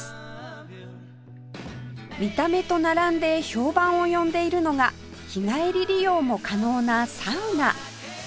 見た目と並んで評判を呼んでいるのが日帰り利用も可能なサウナ